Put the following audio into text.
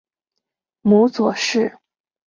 母左氏。